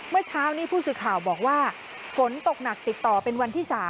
เมื่อเช้านี้ผู้สื่อข่าวบอกว่าฝนตกหนักติดต่อเป็นวันที่๓